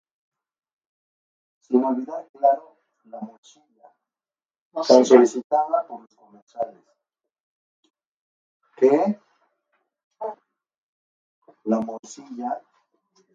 Sin olvidar claro, la morcilla, tan solicitada por los comensales.